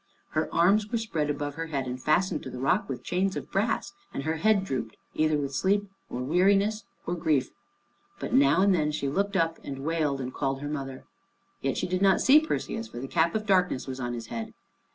Her arms were spread above her head and fastened to the rock with chains of brass, and her head drooped either with sleep or weariness or grief. But now and then she looked up and wailed, and called her mother. Yet she did not see Perseus, for the cap of darkness was on his head.